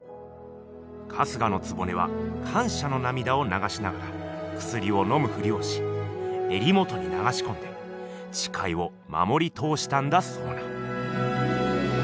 春日局はかんしゃのなみだをながしながらくすりをのむふりをしえり元にながしこんでちかいをまもり通したんだそうな。